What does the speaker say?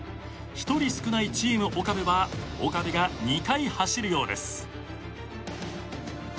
［１人少ないチーム岡部は岡部が２回走るようです］